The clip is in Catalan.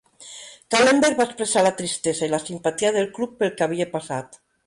Kahlenberg va expressar la tristesa i la simpatia del club pel que havia passat.